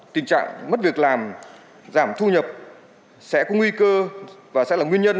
tình trạng mất việc làm giảm thu nhập sẽ có nguy cơ và sẽ là nguyên nhân